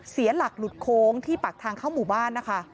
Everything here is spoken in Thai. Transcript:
เสียหลักหลุดโค้งที่ปากทางเข้าหมู่บ้านนะคะ